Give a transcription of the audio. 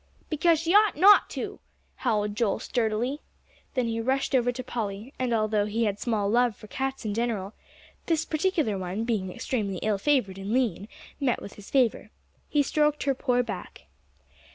"Because she ought not to," howled Joel sturdily. Then he rushed over to Polly; and although he had small love for cats in general, this particular one, being extremely ill favored and lean, met with his favor. He stroked her poor back.